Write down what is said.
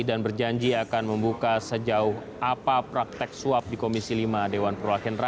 dan berjanji akan membuka sejauh apa praktek suap di komisi lima dpr